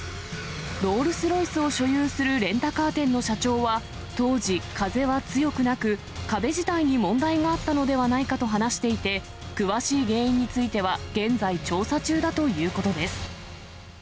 ロールスロイスを所有するレンタカー店の社長は、当時、風は強くなく、壁自体に問題があったのではないかと話していて、詳しい原因については現在調査中だということです。